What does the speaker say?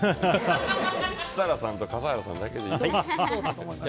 設楽さんと笠原さんだけでいいのよ。